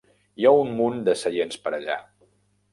Hi ha un munt de seients per allà.